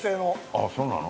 ああ、そうなの？